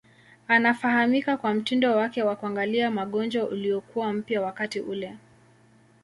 Anafahamika kwa mtindo wake wa kuangalia magonjwa uliokuwa mpya wakati ule.